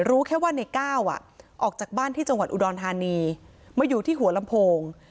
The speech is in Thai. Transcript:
รู้แค่ว่าในก้าวออกจากบ้านที่จังหวัดอุดรธานีมาอยู่ที่หัวลำโพง